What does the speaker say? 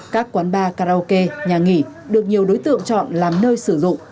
các quán bar karaoke nhà nghỉ được nhiều đối tượng chọn làm nơi sử dụng